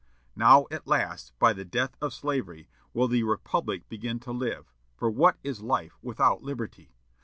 Now, at last, by the death of slavery, will the republic begin to live; for what is life without liberty?